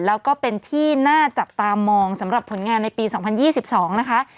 แล้วก็เป็นที่น่าจับตามองสำหรับผลงานในปี๒๐๒๒นะคะ